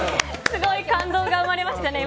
すごい感動が生まれましたね